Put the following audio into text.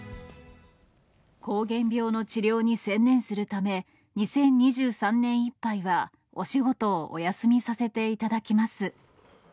膠原病の治療に専念するため、２０２３年いっぱいはお仕事をお休みさせていただきます。